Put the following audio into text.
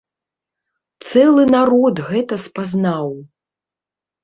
Цэлы народ гэта спазнаў.